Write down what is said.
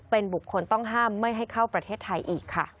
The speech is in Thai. เป็นบุคคลต้องห้ามไม่ให้เข้าประเทศไทยอีกค่ะ